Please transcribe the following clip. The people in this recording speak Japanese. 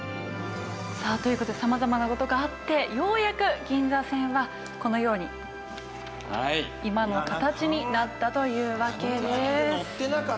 さあという事で様々な事があってようやく銀座線はこのように今の形になったというわけです。